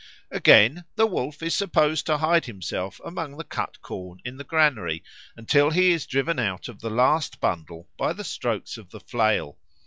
Again, the Wolf is supposed to hide himself amongst the cut corn in the granary, until he is driven out of the last bundle by the strokes of the flail.